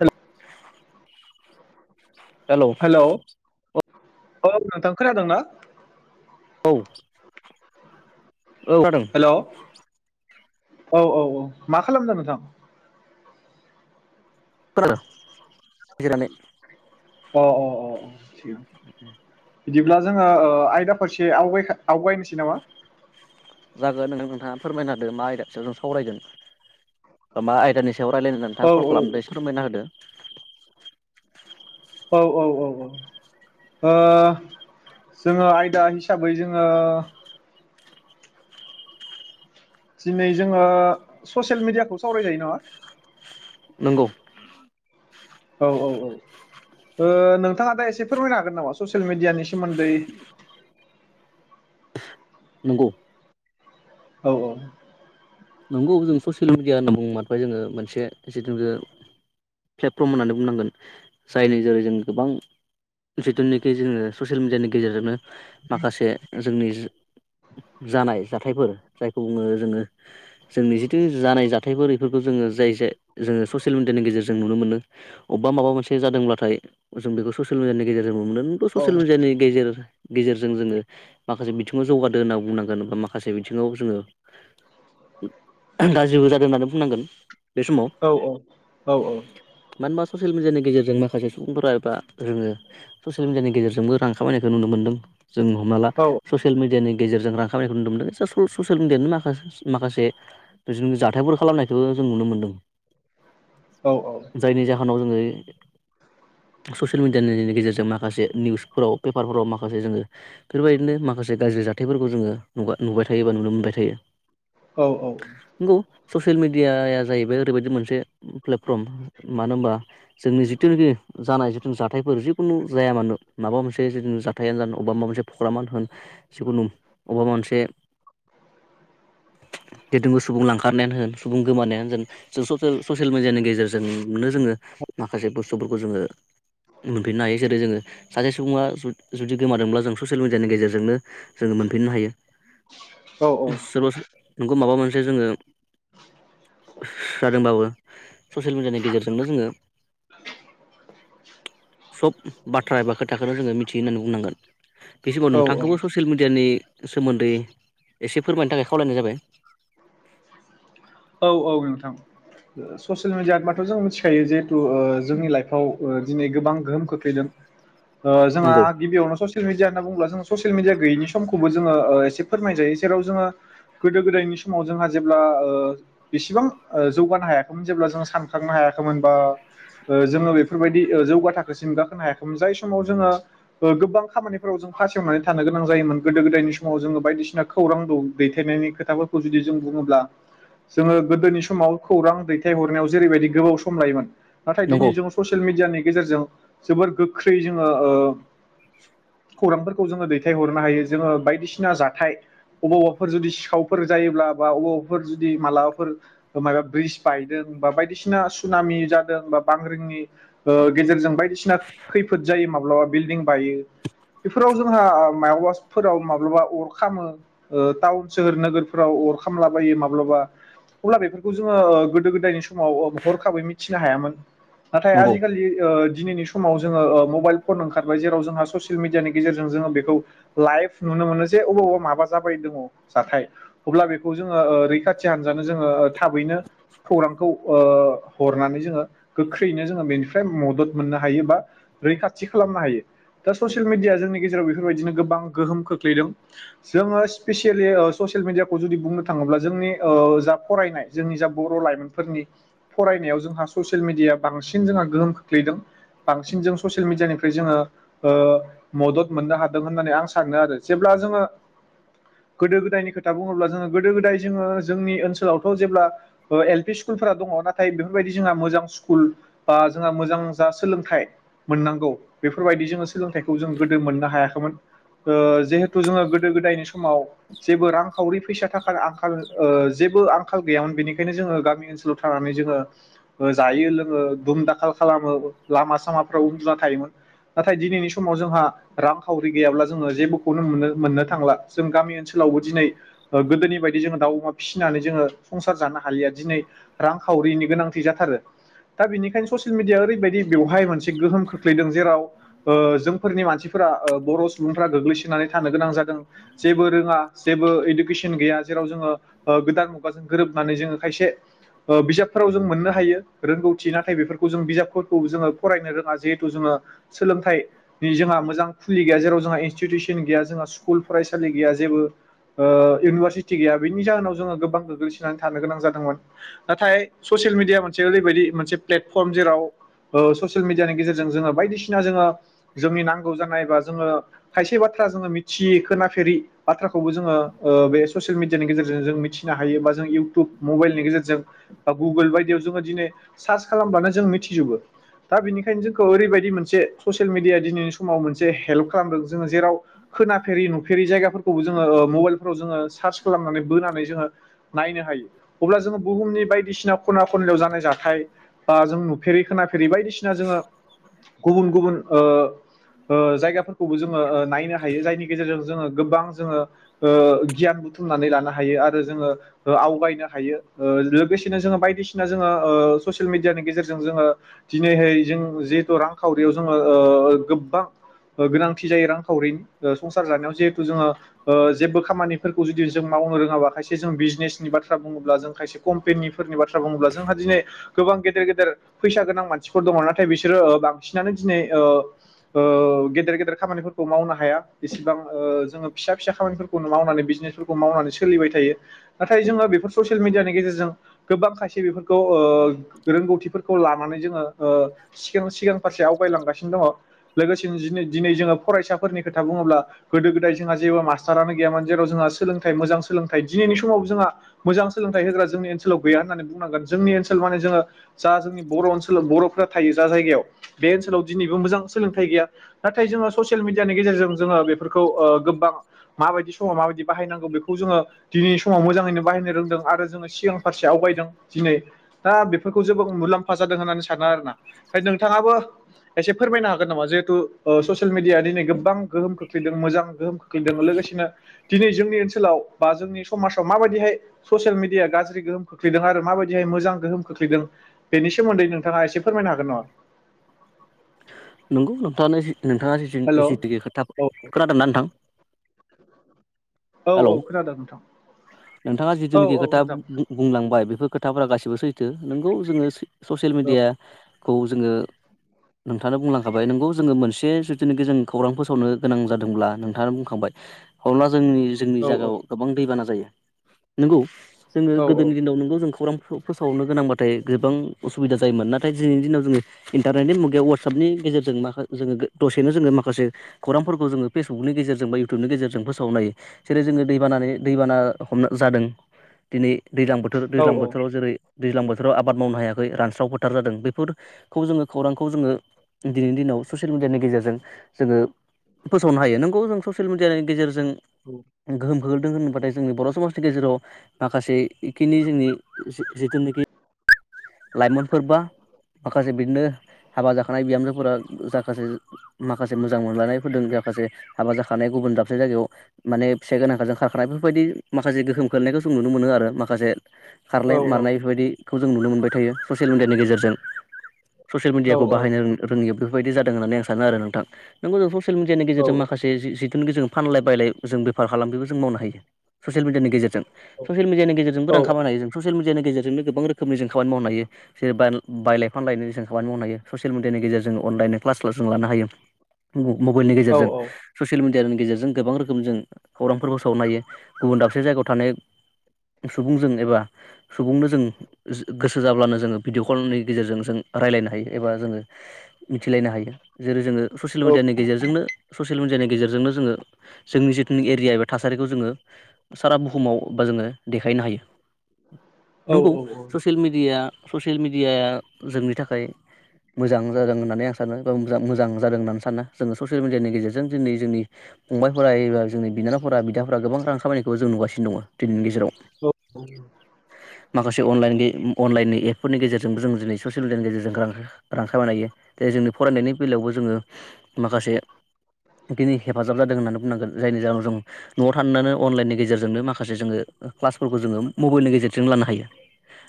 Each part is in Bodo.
हेलौ हेलौ औ नोंथां खोनादोंना? औ औ खोनादों हेल' औ औ औ मा खालामदों नोंथां? [unintelligible] अ अ अ [inaudible] बिदिब्ला जोङो ओ आयदा फारसे आवगायखा आवगायनो सै नामा! जागोन नोंथां। फोरमायना होदों मा आयदानि सायाव सावरायगोन? मा आयदानि सा याव रायलायनो होनानै औ नोंथांङा कल औ खालामदों एसे फोरमायना होदो। औ औ औ औ औ जोङो आयदा हिसाबै जोङो। दिनै जोङो ससियेल मिडियाखौ सावरायजायो नामा! नोंगौ। औ औ औ ओ नोंथाङा दा एसे फोरमायनो हागोन नामा ससियेल मिडियानि सोमोन्दै। नोंगौ। औ औ। नंगौ जों ससियेल मिडिया होनना बुङोबाथाय जोङो मोनसे जिथु प्लेटफर्म होननानै बुंनांगोन जायनि जेरै जों गोबां जिथुनाखि जोङो ससियेल मिडियानि गेजेरजोंनो माखासे जोंनि जानाय जाथायफोर जायखौ बुङो जोङो जोंनि जिथु जानाय जाथायफोर बेफोरखौ जोङो जाय ज जोङो ससियेल मिडियानि गेजेरजों नुनो मोनो अबेबा माबा मोनसे जादोंब्लाथाय जों बेखौ ससियेल मिडियानि गेजेर जों मोनदोंथ' ससियेल औ मिडियानि गेजेर गेजेरजों जोङो माखासे बिथिङाव जौगादो होनना बुंनांगोन बा मा माखासे बिथिङाव जोङो गासिबो जादों होननानै बुंनांगोन बे समाव औ औ औ औ। मानो होनबा ससियेल मिडियानि गेजेरजों माखासे सुबुंफोरा एबा जोङो ससियेल मिडियानि गेजेरजोंबो रां खामायनायखौ नुनो मोन्दों। जों हमना ला औ ससियेल मिडियानि गेजेरजों रां खामानिखौ नुनो मोनदों जा ससियेल मिडियनि माखासे माखासे बिदिनो जाथायफोर खालामनायखौ। जों नुनो मोन्दों। औ जायनि जाहोनाव जोङो। ससियेल मिडियानि गेजेरजों माखासे निउसफोराव पेपारफोराव माखासे जोङो। बेफोरबायदिनो माखासे गाज्रि जा थायफोरखौ जोङो नु नुबाय थायो बा नुनो मोनबाय थायो। औ औ। नंगौ ससियेल मिडियाया जाहैबाय ओरैबायदि मोनसे प्लेटफर्म मानो होनबा जोंनि जिथुनाखि जानाय जिथु जाथायफोर जिखुनु जाया मानो माबा मोनसे जिथु जाथायानो जानो अबा माबा मोनसे। प्रग्रामानो होन जिखुनु अबहाबा मोनसे गेदबो सुबुं लांखारनायानो होन सुबुं गोमानायानो होन जों ससियेल मिडियानि गेजेरजोंनो जोङो माखासे बुस्थुफोरखौ जोङो मोनफिननो हायो जेरै जोङो सासे सुबुङा जुदि गोमादोंब्ला जों ससियेल मिडियानि गेजेरजोंनो जोङो मोनफिननो हायो। नोंगौ। माबा मोनसे जोङो सारदों बाबो ससियेल मिडियानि गेजेरजोंनो जोङो। सब बाथ्रा एबा खो थाखौनो जोङो मिथियो होननानै बुंनांगोन बे समाव औ नोंथांखौबो ससियेल मिडियानि सोमोन्दै एसे फोरमायनो थाखाय खावलायनाय जाबाय। औ औ नोंथां ससियेल मिडियाबाथ' जों मिथिखायो जिहेथु ओ जोंनि लाइफआव ओ दिनै गोबां गोहोम खोख्लैदों। ओ जोंहा नंगौ गिबियावनो ससियेल मिडिया होनना बुंङोब्ला जोंङो ससि‌ ससियेल मिडिया गैयिनि समखौबो जोङो ओ एसे फोरमायजायो जेराव जोङो गोदो गोदायनि समाव जोंहा जेब्ला ओ बेसिबां जौगानो हायाखैमोन जेब्ला जों सानखांनो हायाखैमोन बा जोङो बेफोरबायदि जौगाथाखोसिम गाखोनो हायाखैमोन जाय समाव जोङो ओ गोबां खामानिफोराव जों फासेवनानै थानो गोनां जायोमोन गोदो-गोदायनि समाव जोङो बायदिसिना खौरांखौ दौ दैथायनायनि खोथाफोरखौ जुदि जों बुङोब्ला। जोङो गोदोनि समाव खौरां दैथायहरनायाव जेरैबायदि गोबाव सम लायोमोन। नाथाय नंगौ दिनै जों ससियेल मिडियानि गेजेरजों जोबोर गोख्रै जोङो ओ खौरांफोरखौ जोङो दैथाय हरनो हायो जोङो बायदिसिना जाथाय अबावबाफोर जुदि सिखावफोर जायोब्ला बा अबावबाफोर जदि मालाबाफोर मायबा ब्रिस बायदों बा बायदिसिना सुनामि जादों बा बांग्रिंनि ओ गेजेरजों बायदि सिना खैफोद जायो माब्लाबा बिल्डिं बायो बेफोराव जोंहा मायावबाफोराव माब्लाबा अर खामो ओ टाउन सोहोर नोगोरफोराव अर खामलाबायो माब ब्लाबा अब्ला बेफोरखौ जोङो गोदो-गोदायनि समाव हरखाबै मिथिनो हायामोन। नाथाय नंगौ आजिखालि ओ दिनैनि समाव जोङो ओ मबाइल फन ओंखारबाय जेराव जोंहा ससियेल मिडियानि गेजेरजों जोङो बेखौ लाइभ नुनो मोनो जे अबावबा माबा जाबाय दङ जाथाय अब्ला बेखौ जोङो ओ रै खाथि हानजानो जोङो थाबैनो खौरांखौ ओ हरनानै जोङो गोख्रैयैनो जोङो बेनिफ्राय मदद मोननो हायो बा रैखाथि खालामनो हायो दा ससियेल मिेडिया जोंनि गेजेराव बेफोरबायदिनो गोबां गोहोम खोख्लैदों जोङो स्पेसियेलि ससियेल मिेडियाखौ जुदि बुंनो थाङोब्ला जोंनि औ जा फरायनाय जोंनि जा बर' लाइमोनफोरनि फरायनायाव जोंहा ससियेल मिेडियाया बांसिन जोंहा गोहोम खोख्लैदों बांसिन जों ससियेल मिडियानिफ्राय जोङो ओ मदद मोननो हादों होननानै आं सानो आरो जेब्ला जोङो गोदो-गोदायनि खोथा बुङोब्ला जोङो गोदो-गोदाय जोङो जोंनि ओनसोलावथ' जेब्ला एल पि स्कुलफोरा दङ नाथाय बेफोरबायदि जोंहा मोजां स्कुल बा जोंहा मोजां जा सोलोंथाइ मोननांगौ बेफोरबायदि जोङो सोलोंथखौ जों गोदो मोननो हायाखैमोन ओ जिहेथु जोङो गोदो-गोदायनि समाव जेबो रांखावरि फैसा थाखानि आंखाल ओ जेबो आंखाल गैयामोन बेनिखायनो जोङो गामि ओनसोलाव थानानै जोङो जायो लोङो दुम-दाखाल खालामो लामा सामाफ्राव उन्दुना थायोमोन नाथाय दिनैनि समाव जोंहा रांखावरि गैयाब्ला जोङो जेबोखौनो मोननो मोननो थांला जों गामि ओनसोलावबो दिनै गोदोनि बायदि जोङो दाउ अमा फिसिनानै जोङो संसार जानो हालिया दिनै रांखावरिनि गोनांथि जाथारो दा बिनिखायनो ससियेल मिडिया ओरै बायदि बेवहाय मोनसे गोहोम खोख्लैदों जेराव ओ जोंफोरनि मानसिफोरा बर' सुबुंफोरा गोग्लैसोनानै थानो गोनां जादों जेबो रोङा जेबो इइुकेसन गैया जेराव ओ गोदान मुगाजों गोरोबनानै जोङो खायसे ओ बिजाबफोराव जों मोननो हायो रोंगौथि नाथाय बेफोरखौ जों बिजाबफोरखौ जोङो फरायनो रोङा जिहेथु जोङो सोलोंथाइनि जोंहा मोजां खुलि गैया जेराव जोंहा इनस्टिटिउसन गैया जोंहा स्कुल फरायसालि गैया जेबो ओ इउनिभारसिटि गैया बेनि जाहोनाव जों जोंङो गोबां गोग्लैसोननानै थानो गोनां जादोंमोन नाथाय ससियेल मिदिया मोनसे ओरैबायदि मोनसे प्लेटफर्म जेराव ओ ससियेल मिदियानि गेजेरजों जोङो बायदिसिना जोङो जोंनि नांगौ जानाय बा जोङो खायसे बाथ्रा जोङो मिथियै खोनाफेरि बायथ्राखौबो जोङो बे ससियेल मिडियानि गेजेरजों जों मिथिनो हायो बा जों इउटुब मबाइलनि गेजेरजों बा गुगोल बायदियाव जोङो दिनै सार्च खालामब्लानो जों मिथिजोबो। दा बेनिखायनो जोंखौ ओरैबायदि मोन से ससियेल मिडिया दिनैनि समाव मोनसे हेल्प खालामदों जोङो जेराव खोनाफेरि नुफेरि जायगाफोरखौबो जोंङो ओ मोबाइल फोराव जोंङो सार्च खालामनानै बोनानै जोंहा नायनो हायो अब्ला जोङो बुहुमनि बायदिसिना खना खनलायाव जानाय जाथाय बा जों नु फेरि खोनाफेरि बायदिसिना जोङो गुबुन गुबुन ओ ओ जायगाफोर खौबो जोङो ओ नायनो हायो जायनि गेजेरजों जोङो गोबां जोङो ओ गियान बुथुमनानै लानो हायो आरो। जोङो ओ आवगायनो हायो ओ लोगोसेनो जोंङो बायदिसिना जोङो ओ सेल मेदियानि गेजेरजों जोङोनैहै जेथु रांखावरियाव ओ गोबां गोनां जायो रांखावरिनि संसार जानायाव जे जोङो जेबो खामानि जोंङो मावनो रोङाबा खायस जों बिजनेसनि बाथ्रा बुङोब्ला जों खायसे कम्पेनिफोरनि बाथ्रा बुङोब्ला जोंहा दिनै गोबां गेदेर गेदेर फैसा गोनां मानसिफोर दङ नाथाय बिसोरो बांसिनानो दिनै ओ ओ गेदेर गेदेर खामानिफोरखौ मावनो हाया एसेबां जोङो फिसा फिसा खामानिफोरखौनो मावनानै बिजनेसफोरखौ मावनानै सोलिबाय थायो। नाथाय जोङो बेफोर ससियेल मिडियानि गेजेरजों गोबां खायसे बेफोरखौ ओ रोंगौथिफोरखौ लानानै जोङो ओ सिगां सिगां फारसे आवगायलांगासिनो दङ'। लोगोसेनो दिनै दिनै जोङो फरायसाफोर खोथा बुङोला गोदो गोदाय जोंहा जेबो मास्टारानो गैयामोन जेराव जोंहा सोलोंथाइ मोजां सोलोंथाइ दिनैनि समाव जोंहा मोजां सोलोंथाइ होग्रा जोंनि ओनसोलाव गैया होननानै बुंनांगोन जोंनि ओनसोल माने जोङो जा जोंनि बर' ओनसोलाव बर'फ्रा थायो जा जायगायाव बे ओनसोलाव दिनैबो मोजां सोलोंथाइ गैया नाथाय जोङो स सियेल मिडियानि गेजेरजों जोङो बेफोरखौ ओ गोबां माबायदि समाव माबायदि बाहायनांगौ बेखौ खौ जोङो दिनैनि समाव मोजाङैनो बाहायनो रोंदों आरो जोङो सिगां फारसे आवगायदों दिनै दा बेफोरखौ जेबो मुलाम्फा जादों होननानै सानो आरोना। ओमफ्राय नोंथाङाबो एसे फोरमायनो हागोन नामा जिहेतु ओ ससियेल मिडिया दिनै गोबां गोहोम खोख्लैदों मोजां गोहोम खोखैदों लोगोसे [unintelligible] दिनै जोंनि ओनसोलाव बा जोंनि समाजाव माबायदिहाय ससियेल मिडिया गाज्रि गोहोम खोख्लैदों आरो माबायदिहाय मोजां गोहोम खोख्लैदों बेनि सोमोन्दै नोंथाङा एसे फोरमायनो हागोन नङा? नंगौ नोंथानो जि नोंथाङा हेल' औ जिनिखि खोथा खोनादों ना नोंथां? औ औ हेलौ खोनादों नोंथां नोंथाङा औ जिथुनिखि औ खोथा नोंथां बुंलांबाय बेफोर खोथाफोरा गासिबो सैथो। नोंगौ जोङो ससियेल औ मेडियाखौ जोङो नोंथांङानो बुंलांखाबाय नोंगौ जोङो मोनसे जुदिखि जों खौरां फोसावनो गोनां जादोंब्ला नोंथाङा बुंखांबाय [unintelligible] जोंनि जोंनि औ जायायाव गोबां दैबाना ज जायो नंगौ। जोङो औ गोदनि दिनाव नंगौ जोंखौ खौरांखौ फोसावनो गोनांबाथाय गोबां असुबिदा जायोमोन नाथाय दिनैनि दिनाव जोङो इन्टारनेटनि मुगायाव बे वाटसपनि गेजेरजों माखा जोङो दसेनो जोङो माखासे खौरांफोरखौ जोङो फेसबुकनि गेजेरजों बा इउटुबनि गेजेरजों फोसावनो हायो जेरै जोङो दैबानानै दैबाना हमना जादों दिनै दैज्लां बोथोर औ दैज्लां औ बोथोराव जेरै दैज्लां बोथोराव आबाद मावनो हायाखै रानस्राव फोथार जादों बेफोरखौ जोङो खौरां खौ जोङो दिनैनि दिनाव ससियेल मिडियानि गेजेरजों जोङो फोसावनो हायो नंगौ जोंङो ससेल मिडियानि गेजेरजों जों गोहोम [unintelligible] दों होनोबाथाय जोंनि बर' समाजनि गेजेराव माखासे इखिनि जोंनि जि-जिथुनिखि लाइमोनफोरबा माखासे बिदिनो हाबा जाखानाय बिहामजोफोरा जाखासे माखासे मोजां मोनलायनायफोरदों जाखासे हाबा जा खानाय गुबुन दाबसे जायगायाव माने फिसाय गोनांखाजों खारखानाय बेफोरबायदि माखासे गोहोम खोल्लैनायखौ जों नुनो मोनो आरो माखासे औ खारनाय औ मारनाय बेफोरबायदिखौ जों नु मोनबाय थायो ससियेल मिडियानि गेजेरजों। ससियेल औ मिडियाखौ बाहायनो रों-रोङैयाबो बाय जादों होननानै आं सानो आरो नोंथां। नंगौ सेल मिडियानि गेजेर माखासे थोनखो जों फानलाय बायलाय जों बेफार खालामगिबो जों मावनो हायो ससियेल मिडियानि गेजेरजों। ससियेल मिडियानि गेजजोंबो रां खामायनो हायो जों। ससिल मिडियानि गेजेरजों जोंनो गोबां रोखोमनि जों खामानि मावनो हायो जेरै बान-बायलाय फानलाय जों खामानि मावनो हायो ससियेल मिडियानि गेजेरजों अनलाइननि क्लास स्लास जों लानो हायो। म-मबेलनि गेजेरजों ससियेल मिडियानि गेजेरजों गोबां रोखोम जों खौरांफोरखौ सावनो हायो। गुबुन दाबसे जायगायाव थानाय सुबुंजों एबा सुबुंनो जों गोसो जाब्लानो जोङो भिडिअ' कलनि गेजेरजों जों रायलायनो हायो एबा जोङो मिथिलायनो हायो। जेरै जोङो ससियेल मिडियानि गेजेरजोंनो ससियेल मिडियानि गेजेरजोंनो जोङो जोंनि जिथुनि एरिया एबा थासारि खौ जोङो सारा बुहुमाव बा जोङो देखायनो हायो। नंगौ ससियेल मिडियाया ससियेल मेडियाया जोंनि थाखाय मोजां जादों होननानै आं सानो बा मोजां मोजां जादों होननानै सानो जोङो ससियेल मिडियानि गेजेरजों दिनै जोंनि फंबायफोरा एबा जोंनि बिनानावफोरा बिदाफोरा गोबां रां खामायनायखौबो जों नुगासिनो दङ। दिनिनि गेजेराव माखासे अनलाइन बे अनलाइननि एपफोरनि गेजेरजोंबो जों दिनै ससियेल मिडियानि गेजेरजों रां रां खामायनो हायो। दे जोंनि फरायनायनि बेलायावबो जोङो माखासेखिनि हेफाजाब जादों होननानै बुंनांगोन जायनि जाउन जों न'आव थाननानो अनलाइननि गेजेरजोंनो माखासे जोङो क्लासफोरखौ जोङो मबाइलनि गेजेरजों लानो हायो।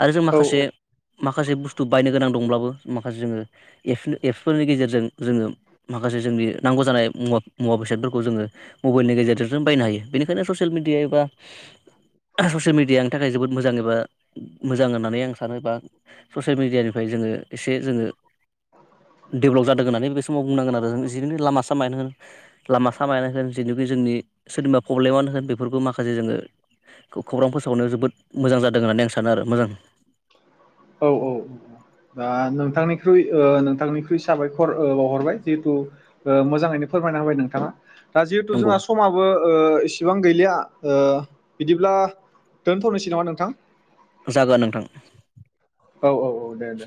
आरो जों औ माखासे औ औ माखासे बुस्थु बायनो गोनां दंब्लाबो माखासे जोङो एफ एफफोरनि गेजेरजों जोङो माखासे जोंनि नांगौ जानाय मुवा मुवा बेसादफोरखौ जोङो मबाइलनि गेजेरजों जों बायनो हायो बेनिखायनो ससियेल मिडिया एबा ससियेल मिडिया आं थाखाय जोबोद मोजां बा मोजां होननानै आं सानो बा ससियेल मिडियानिफ्राय जोङो एसे जोङो डेब्लब जादों होननानै बे समाव बुंनांगोन आरो जों जिखि लामा सामायनानो होन लामा सामायना होन जिनोखि जोंनि सोरनिबा प्रब्लेमानो होन बेफोरखौ माखासे जोङो खौरां फोसावनायाव जोबोद मोजां जादों होननानै आं सा नो आरो मोजां औ औ आ नोंथांनिख्रुइ ओ नोंथांनिख्रुइ साबायखर औ बावहरबाय जिहेथु ओ मोजाङैनो फोरमायना होबाय नोंथांङा। दा जिहेथु नंगौ जोंहा समाबो ओ इसेबां गैलिया। ओ बिदिब्ला दोनथनोसै नामा नोंथां? जागोन नोंथां। औ औ औ दे दे।